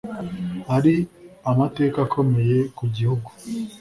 ari amateka akomeye ku gihugu